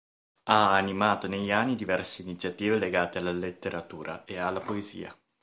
Ha animato negli anni diverse iniziative legate alla letteratura e alla poesia.